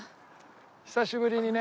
久しぶりにね。